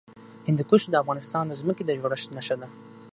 هندوکش د افغانستان د ځمکې د جوړښت نښه ده.